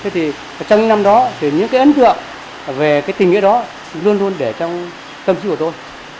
trong những năm đó những ấn tượng về tình nghĩa đó luôn luôn để trong tâm trí của tôi